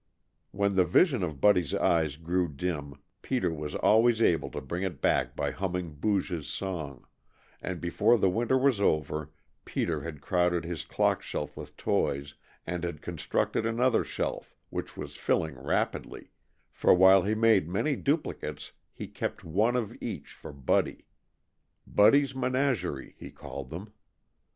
When the vision of Buddy's eyes grew dim Peter was always able to bring it back by humming Booge's song, and before the winter was over Peter had crowded his clock shelf with toys and had constructed another shelf, which was filling rapidly, for while he made many duplicates he kept one of each for Buddy "Buddy's menagerie," he called them.